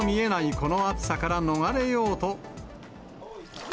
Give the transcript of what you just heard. この暑さから逃れようと。